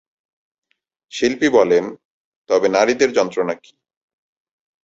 শিল্পী বলেন, 'তবে নারীদের যন্ত্রণা কী?'